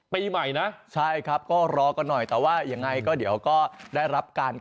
ปีใหม่นะใช่ครับก็รอกันหน่อยแต่ว่ายังไงก็เดี๋ยวก็ได้รับการ